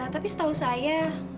tapi setahu saya